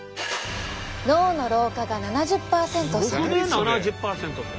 脳の老化が７０％遅く。